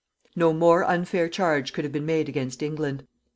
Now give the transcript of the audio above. No more unfair charge could have been made against England.